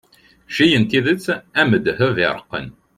cci n tidet am ddheb iṛeqqen